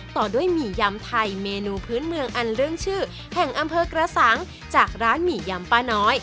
ต่อด้วยหมี่ยำไทยเมนูพื้นเมืองอันเรื่องชื่อแห่งอำเภอกระสังจากร้านหมี่ยำป้าน้อย